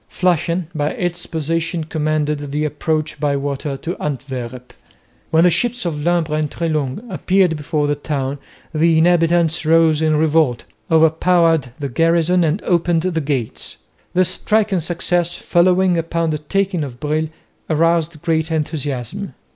Flushing by its position commanded the approach by water to Antwerp. When the ships of Lumbres and Treslong appeared before the town, the inhabitants rose in revolt, over powered the garrison, and opened the gates. This striking success, following upon the taking of Brill, aroused great enthusiasm.